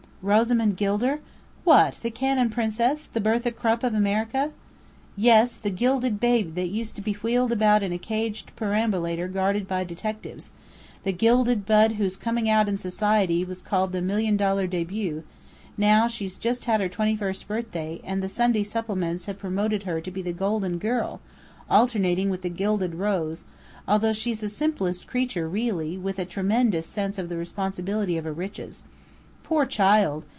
"Rosamond Gilder? What the Cannon Princess, the Bertha Krupp of America?" "Yes, the 'Gilded Babe' that used to be wheeled about in a caged perambulator guarded by detectives: the 'Gilded Bud' whose coming out in society was called the Million Dollar Début: now she's just had her twenty first birthday, and the Sunday Supplements have promoted her to be the Golden Girl, alternating with the Gilded Rose, although she's the simplest creature, really, with a tremendous sense of the responsibility of her riches. Poor child!